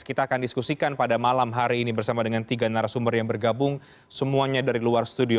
kita akan diskusikan pada malam hari ini bersama dengan tiga narasumber yang bergabung semuanya dari luar studio